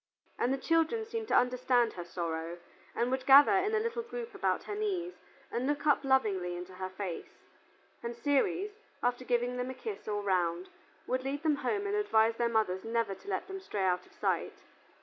And the children seemed to understand her sorrow and would gather in a little group about her knees and look up lovingly into her face, and Ceres, after giving them a kiss all round, would lead them home and advise their mothers never to let them stray out of sight.